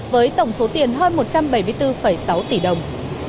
với tổng số tiền hơn một trăm bảy mươi bốn sáu tỷ đồng